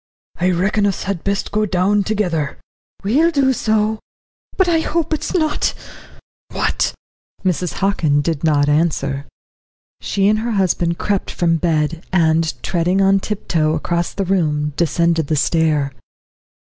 "I reckon us had best go down together." "We'll do so but I hope it's not " "What?" Mrs. Hockin did not answer. She and her husband crept from bed, and, treading on tiptoe across the room, descended the stair.